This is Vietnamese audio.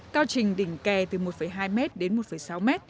cao trình đỉnh kè từ một hai m đến một sáu m